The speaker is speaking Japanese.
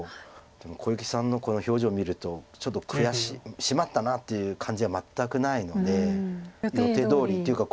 でも小池さんのこの表情を見るとちょっと「しまったな」という感じは全くないので予定どおり。っていうか